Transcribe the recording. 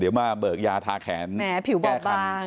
เดี๋ยวมาเบิกยาทาแขนแค่แขนแก่คันแม้ผิวบอบบาง